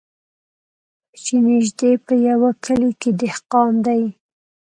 چي نیژدې په یوه کلي کي دهقان دی